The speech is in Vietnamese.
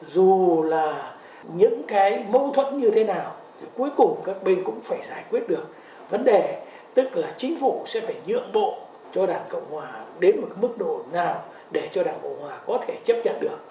dù là những cái mâu thuẫn như thế nào thì cuối cùng các bên cũng phải giải quyết được vấn đề tức là chính phủ sẽ phải nhượng bộ cho đảng cộng hòa đến một mức độ nào để cho đảng cộng hòa có thể chấp nhận được